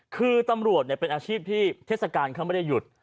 คือตำรวจเป็นอาชีพที่เทศกาลเขาไม่ได้หยุด